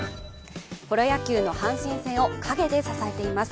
プロ野球の阪神戦を影で支えています